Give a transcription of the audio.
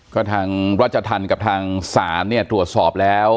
ก็ทางราชธรรมและทางศาลตรวจสอบแล้ว